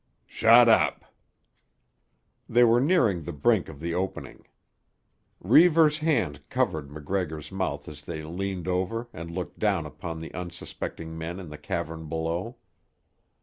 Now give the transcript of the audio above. "Shut up!" They were nearing the brink of the opening. Reivers' hand covered MacGregor's mouth as they leaned over and looked down upon the unsuspecting men in the cavern below.